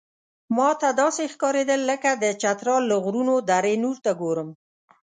ماته داسې ښکارېدل لکه د چترال له غرونو دره نور ته ګورم.